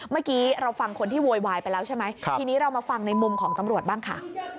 เมื่อกี้เราฟังคนที่โวยวายไปแล้วใช่ไหมทีนี้เรามาฟังในมุมของตำรวจบ้างค่ะ